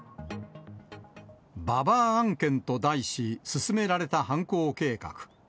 ババア案件と題し、進められた犯行計画。